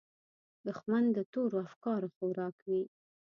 دښمن د تورو افکارو خوراک وي